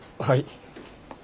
はい。